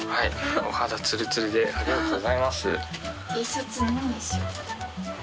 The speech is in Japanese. お肌つるつるでありがとうございます。